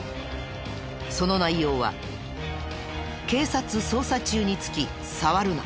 その内容は警察捜査中につき触るな。